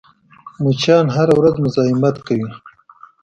مچان هره ورځ مزاحمت کوي